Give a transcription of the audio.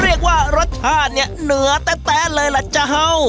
เรียกว่ารสชาติเนี่ยเหนือแต๊ะเลยล่ะเจ้า